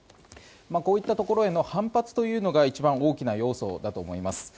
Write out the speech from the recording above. こういったところへの反発というのが一番大きな要素だと思います。